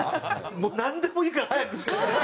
もうなんでもいいから早くしてくれ。